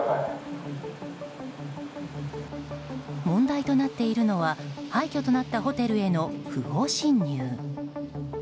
問題となっているのは廃虚となったホテルへの不法侵入。